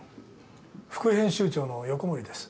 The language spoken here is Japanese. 副編集長の横森です。